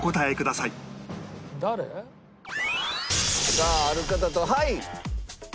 さあある方とはいさあ。